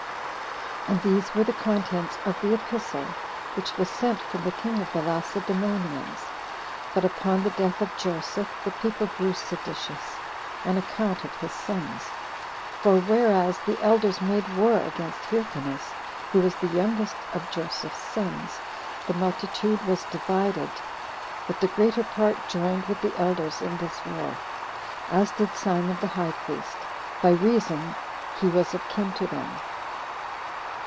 11. And these were the contents of the epistle which was sent from the king of the Lacedemonians. But, upon the death of Joseph, the people grew seditious, on account of his sons. For whereas the elders made war against Hyrcanus, who was the youngest of Joseph's sons, the multitude was divided, but the greater part joined with the elders in this war; as did Simon the high priest, by reason he was of kin to them.